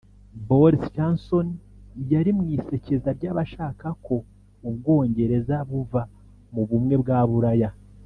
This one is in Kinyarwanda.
Boris Johnson yari mw'isekeza ry'abashaka ko Ubwongereza buva mu Bumwe bwa Bulaya